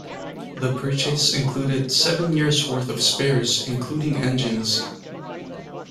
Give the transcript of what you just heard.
The purchase included seven years' worth of spares including engines.